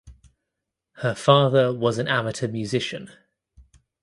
Her father was an amateur musician.